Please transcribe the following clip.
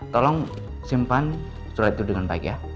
tolong simpan surat itu dengan baik ya